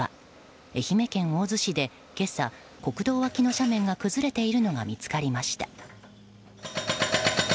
愛媛県大洲市で、今朝国道脇の斜面が崩れているのが見つかりました。